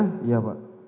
jawaban sendiri ya pak